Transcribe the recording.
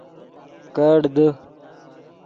کیڑ دے